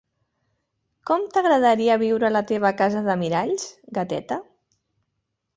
Com t'agradaria viure a la teva casa de miralls, gateta?